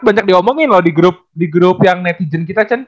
banyak di omongin loh di grup yang netizen kita